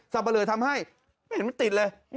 ปะเลอทำให้ไม่เห็นมันติดเลย